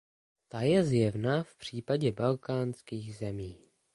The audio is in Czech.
Ta je zjevná v případě balkánských zemí.